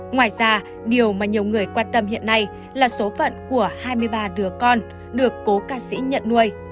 ngoài ra điều mà nhiều người quan tâm hiện nay là số phận của hai mươi ba đứa con được cố ca sĩ nhận nuôi